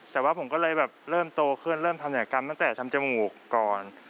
แต่ว่าผมก็เลยแบบเริ่มโตขึ้นเริ่มทำจากกรรมตั้งแต่ทำจมูกก่อน